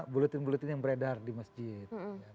buletin buletin yang beredar di masjid